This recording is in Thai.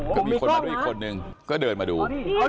ก็มีคนมาด้วยอีกคนนึงก็เดินมาดู